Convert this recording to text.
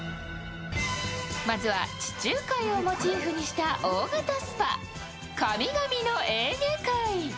まずは、地中海をモチーフにした大型スパ、神々のエーゲ海。